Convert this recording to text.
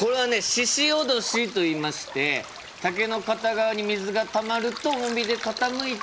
鹿おどしといいまして竹の片側に水がたまると重みで傾いて。